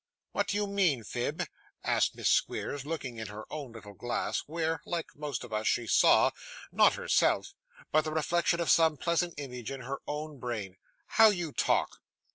'What do you mean, Phib?' asked Miss Squeers, looking in her own little glass, where, like most of us, she saw not herself, but the reflection of some pleasant image in her own brain. 'How you talk!